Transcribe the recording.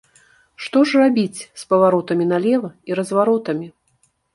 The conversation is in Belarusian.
Што ж рабіць з паваротамі налева і разваротамі?